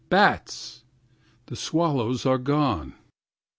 26Bats!27The swallows are gone.